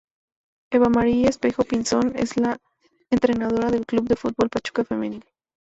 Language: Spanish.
Eva Mariana Espejo Pinzón es la entrenadora del Club de Fútbol Pachuca Femenil.